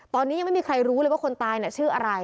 ตอนนี้ยังไม่มีใครรู้เลยว่าคนตายชื่ออะไร